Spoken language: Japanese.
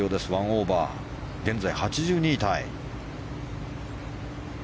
１オーバーで現在、８２位タイ。